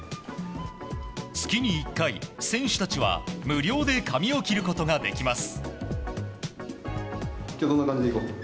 月に１回、選手たちは無料で髪を切ることができます。